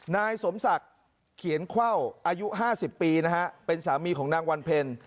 นายสมศักดิ์เขียนเข้าอายุ๕๐ปีนะฮะเป็นสามีของนางวันเพ็ญ